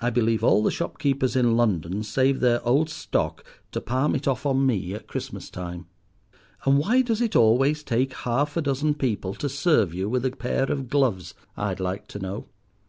I believe all the shop keepers in London save their old stock to palm it off on me at Christmas time. And why does it always take half a dozen people to serve you with a pair of gloves, I'd like to know?